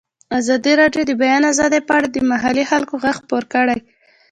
ازادي راډیو د د بیان آزادي په اړه د محلي خلکو غږ خپور کړی.